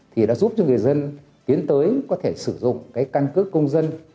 thì đã giúp cho người dân tiến tới có thể sử dụng cái căn cước công dân